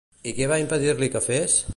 I què va impedir-li que fes?